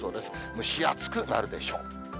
蒸し暑くなるでしょう。